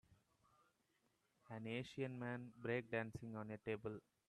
An Asian man breakdancing on a table.